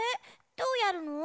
どうやるの？